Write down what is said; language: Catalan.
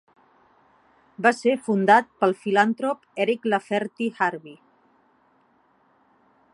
Va ser fundat pel filantrop Eric Lafferty Harvie.